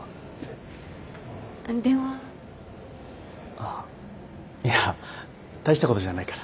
あっいや大したことじゃないから。